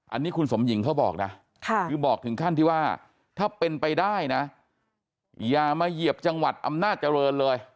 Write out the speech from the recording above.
อันนี้คุณสมหญิงเขาบอกนะคือบอกถึงขั้นที่ว่าถ้าเป็นไปได้นะอย่ามาเหยียบจังหวัดอำนาจเจริญเลย